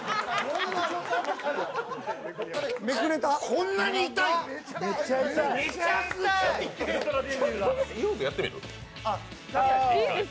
こんなに痛いの！？